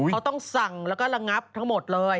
เขาต้องสั่งแล้วก็ระงับทั้งหมดเลย